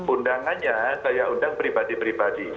undangannya saya undang pribadi pribadi